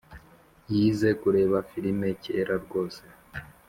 Yize kureba firime kera rwose